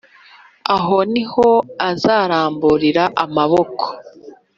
Aho ni ho azaramburira amaboko,